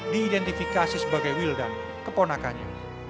diidentifikasi sebagai wildan keponakannya